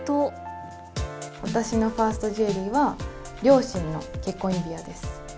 私のファーストジュエリーは、両親の結婚指輪です。